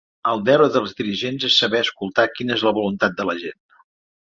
El deure dels dirigents és saber escoltar quina és la voluntat de la gent.